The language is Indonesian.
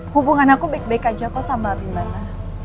hubungan aku baik baik aja kok sama bima